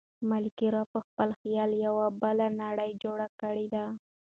ملکیار په خپل خیال یوه بېله نړۍ جوړه کړې ده.